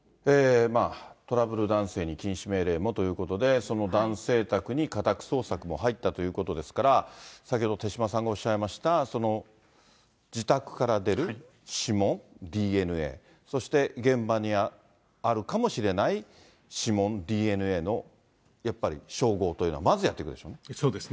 トラブル男性に禁止命令もということで、その男性宅に家宅捜索も入ったということですから、先ほど、手嶋さんがおっしゃいました、自宅から出る指紋、ＤＮＡ、そして現場にあるかもしれない指紋、ＤＮＡの、やっぱり照合というのは、まずやっていくでしょうね。